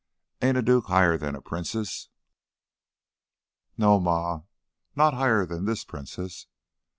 Ain't a duke higher than a princess?" "No, Ma. Not higher than this princess.